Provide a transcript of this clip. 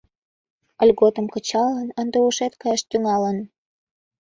Льготым кычалын, ынде ушет каяш тӱҥалын.